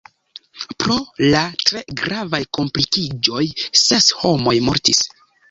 Pro la tre gravaj komplikiĝoj ses homoj mortis.